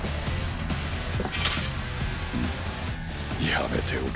やめておけ。